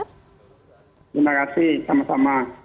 terima kasih sama sama